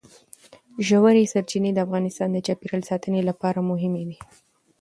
ژورې سرچینې د افغانستان د چاپیریال ساتنې لپاره مهمي دي.